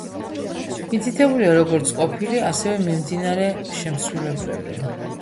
მითითებულია როგორც ყოფილი, ასევე მიმდინარე შემსრულებლები.